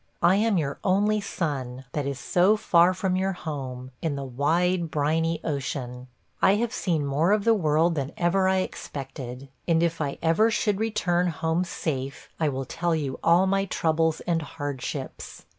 I am your only son, that is so far from your home, in the wide briny ocean. I have seen more of the world than ever I expected, and if I ever should return home safe, I will tell you all my troubles and hardships.